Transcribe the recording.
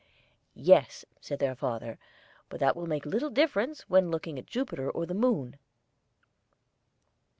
"Yes," said their father, "but that will make little difference when looking at Jupiter or the moon."